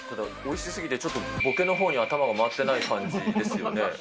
おいしすぎてちょっとボケのほうに頭が回ってない感じですよね。